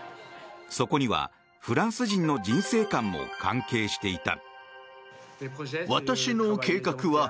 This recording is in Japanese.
そこにはフランス人の人生観も関係していた。